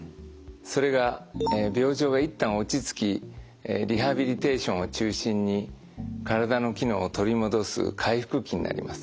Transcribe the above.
それが病状が一旦落ち着きリハビリテーションを中心に体の機能を取り戻す回復期になります。